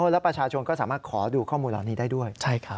แล้วประชาชนก็สามารถขอดูข้อมูลเหล่านี้ได้ด้วย